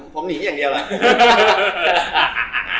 ผมหนีอย่างเดียวเลย